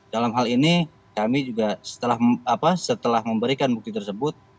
dalam hal ini kami juga setelah memberikan bukti tersebut